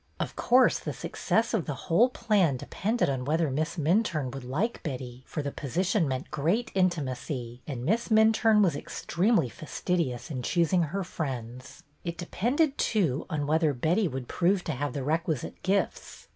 Of course the success of the whole plan de pended on whether Miss Minturne would like Betty, for the position meant great intimacy, and Miss Minturne was extremely fastidious in choos ing her friends. It depended, too, on whether Betty would prove to have the requisite gifts.